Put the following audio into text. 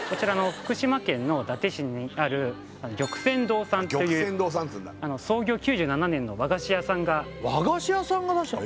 福島県の伊達市にある玉泉堂さんっていう玉泉堂さんっていうんだ創業９７年の和菓子屋さんが和菓子屋さんが出したの？